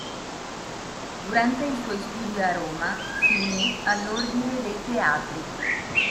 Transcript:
Durante i suoi studi a Roma, si unì all'ordine dei teatri.